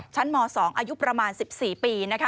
ม๒อายุประมาณ๑๔ปี